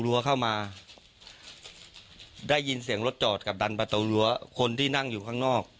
เข้ามาได้ยินเสียงรถจอดกับดันประตูรั้วคนที่นั่งอยู่ข้างนอก